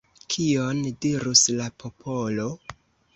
Kion dirus la popolo?